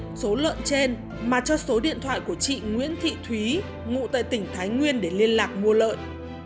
chị khuyên không nhận số lợn trên mà cho số điện thoại của chị nguyễn thị thúy ngụ tại tỉnh thái nguyên để liên lạc mua lợn